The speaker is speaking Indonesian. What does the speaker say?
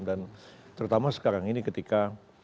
dan terutama sekarang ini ketika